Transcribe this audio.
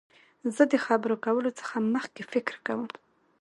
زه د خبرو کولو څخه مخکي فکر کوم.